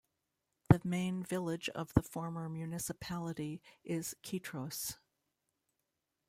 The main village of the former municipality is Kitros.